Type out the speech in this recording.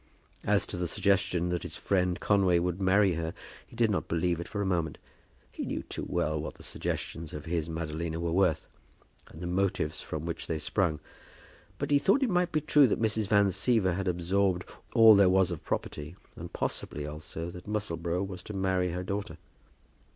As for the suggestion that his friend Conway would marry her, he did not believe it for a moment. He knew too well what the suggestions of his Madalina were worth, and the motives from which they sprung. But he thought it might be true that Mrs. Van Siever had absorbed all there was of property, and possibly, also, that Musselboro was to marry her daughter.